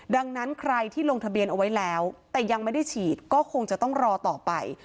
ดังนั้นใครที่ลงทะเบียนเอาไว้แล้วแต่ยังไม่ได้ฉีดก็คงจะต้องรอต่อไป